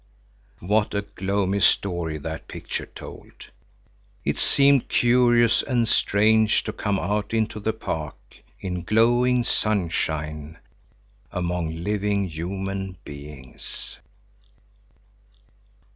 What a gloomy story that picture told! It seemed curious and strange to come out into the park, in glowing sunshine, among living human beings.